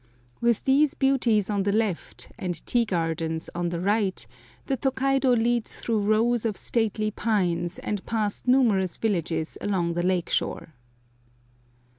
With these beauties on the left and tea gardens on the right, the Tokaido leads through rows of stately pines, and past numerous villages along the lake shore.